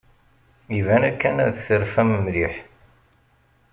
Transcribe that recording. Iban kan terfamt mliḥ.